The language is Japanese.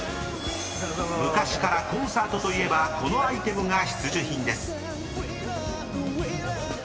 ［昔からコンサートといえばこのアイテムが必需品です］